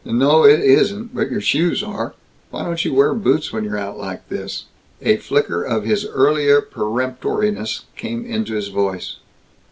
"N no, it isn't, but your shoes are. Why don't you wear boots when you're out like this?" A flicker of his earlier peremptoriness came into his voice.